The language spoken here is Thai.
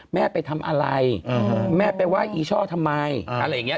แม่ไปทำอะไรแม่ไปไหว้อีช่อทำไมอะไรอย่างนี้